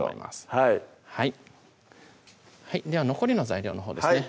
はいはいでは残りの材料のほうですね